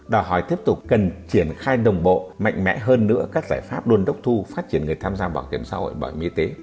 đòi hỏi tiếp tục cần triển khai đồng bộ mạnh mẽ hơn nữa các giải pháp đôn đốc thu phát triển người tham gia bảo hiểm xã hội bảo hiểm y tế